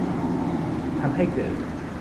ทำให้เกิด